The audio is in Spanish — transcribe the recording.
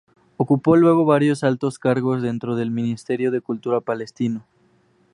Ocupó luego varios altos cargos dentro del Ministerio de Cultura palestino.